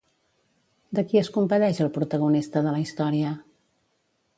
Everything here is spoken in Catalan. De qui es compadeix el protagonista de la història?